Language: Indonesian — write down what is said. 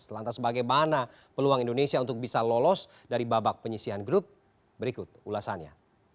lantas bagaimana peluang indonesia untuk bisa lolos dari babak penyisian grup berikut ulasannya